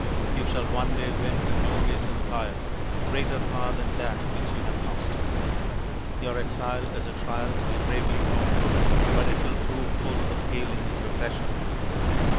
You shall one day win a glorious empire, greater far than that which you have lost. Your exile is a trial to be bravely borne, but it will prove full of healing and refreshment.